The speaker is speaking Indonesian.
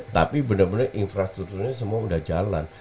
tapi benar benar infrastrukturnya semua sudah jalan